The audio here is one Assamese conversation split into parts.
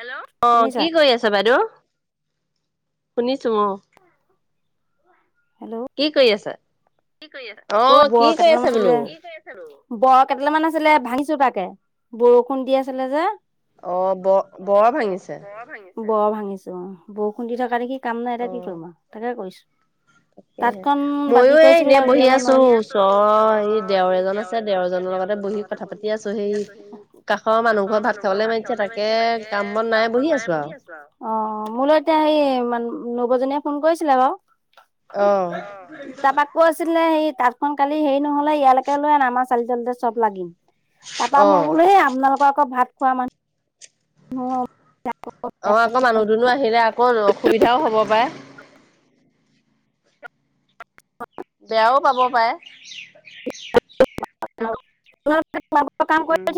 হেল্ল'। অ'! শুনিছা? কি কৰি আছে বাইদেউ? শুনিছোঁ অ'! হেল্ল' কি কৰি আছে? [unintelligible] অ' কি বৰ কৰি আছে কেইটাল বোলো? মান আছিলে, ভাবিছোঁ তাকে, বৰষুণ দি আছিলে যে। অ'! ব-বৰ ভাঙিছে? বৰ ভাঙিছোঁ, অ'! বৰষুণ দি থকা দেখি, কাম নাই এতিয়া। কি অ' কৰিম আৰু তাকে কৰিছোঁ। তাকেহে, মইয়ো এ, এয়া এনেই বহি উলিয়াব আছোঁ, নোৱাৰিলো। ওচৰ এই দেওৰ এজন আছে, দেওৰজনৰ লগতে বহি কথা পাতি আছোঁ। সেই, কাষৰ মানুহ ঘৰত ভাত খাবলৈ মাতিছে। তাকে, কাম-বন নাই, বহি আছোঁ আৰু। অ'! মোলৈ এতিয়া সেই, নবৌজনীয়ে ফোন কৰিছিলে বাৰু। অ'! তাৰপা, কৈছিলে সেই, তাঁতখন কালি সেৰি নহ'লে, ইয়ালৈকে লৈ আন, আমাৰ চালি তলতে চব লাগিম। তাৰপা মই অ' বোলোঁ, সেই আপোনালোকৰ আকৌ ভাত খোৱা মানুহ, অ'! [unintelligible] অ'! আকৌ মানুহ-দুনুহ আহিলে আকৌ, অসুবিধাও হ'ব পাৰে। [unintelligible] বেয়াও পাব পাৰে। [unintelligible] উম।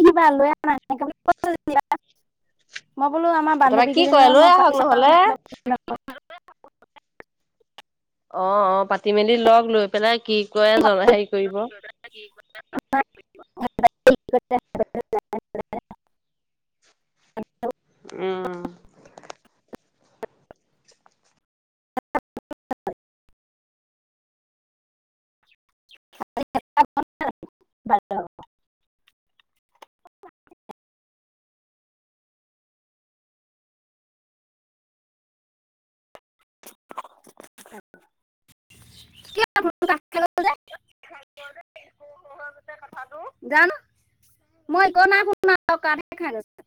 মই বোলোঁ, আমাৰ তাৰপৰা বান্ধৱী কি কেইজনীৰ কৰে লগত লৈ মই আহক পাতি নহ'লে। চাওঁচোন। [unintelligible] অ' অ'! পাতি মেলি লওঁক। লৈ পেলাই কি কৰে, [unintelligible] সেৰি কৰিব। [unintelligible] উম। [unintelligible] কিয় [inaudible] [unintelligible] কথাটো জান মই [unintelligible]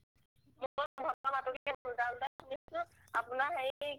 মই [unintelligible] আপোনাৰ হেৰি কি